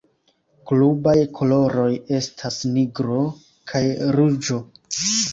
Klubaj koloroj estas nigro kaj ruĝo.